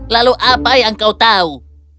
lalu apa yang kau tahu